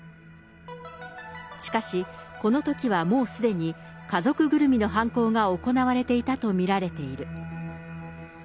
しかし、このときはもうすでに、家族ぐるみの犯行が行われていたと見られている。